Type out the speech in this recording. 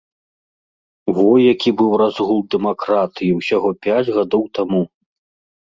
Во які быў разгул дэмакратыі ўсяго пяць гадоў таму!